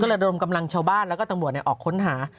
ระดมกำลังชาวบ้านแล้วก็ตำรวจออกค้นหา